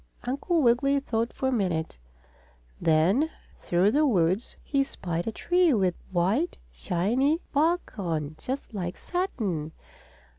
Uncle Wiggily thought for a minute. Then, through the woods, he spied a tree with white, shiny bark on, just like satin.